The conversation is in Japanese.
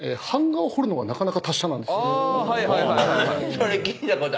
それ聞いたことあるかも。